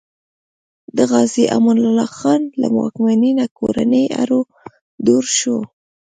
د غازي امان الله خان له واکمنۍ نه کورنی اړو دوړ شو.